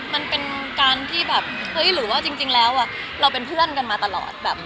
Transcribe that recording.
มันเป็นการที่แบบเฮ้ยหรือว่าจริงแล้วเราเป็นเพื่อนกันมาตลอด